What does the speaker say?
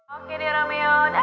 oke deh romeo dah